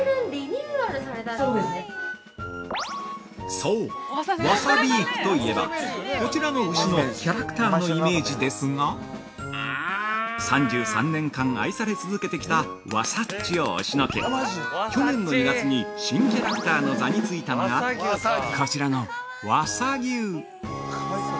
◆そう、わさビーフといえば、コチラの牛のキャラクターのイメージですが３３年間愛され続けてきた「わさっち」を押しのけ、去年の２月に新キャラクターの座に就いたのが、こちらの「わさぎゅ」。